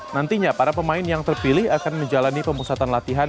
nantinya para pemain yang terpilih akan menjalani pemusatan latihan